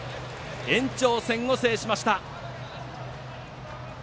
延長戦を制しました。